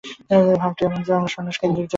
ভাবটি এই যে, আমরা সন্ন্যাস-কেন্দ্রিক জাতি।